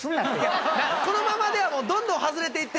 このままではもうどんどん外れていってしまいそうで。